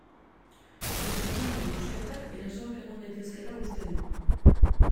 Josep Manel Busquetak erasoak egon daitezkeela uste du.